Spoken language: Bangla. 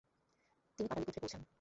তিনি পাটালিপুত্রে পৌঁছেন।